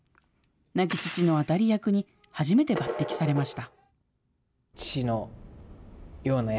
亡き父の当たり役に初めて抜てきされました。